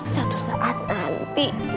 satu saat nanti